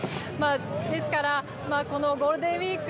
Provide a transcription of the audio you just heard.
ですから、ゴールデンウィーク